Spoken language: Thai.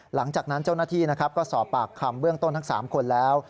หลังจากนั้นเจ้าหน้าที่นะครับก็สอบปากคำเบื้องต้นทั้ง๓คนแล้ว